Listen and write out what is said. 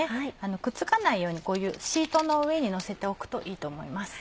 くっつかないようにこういうシートの上にのせておくといいと思います。